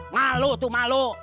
malu tuh malu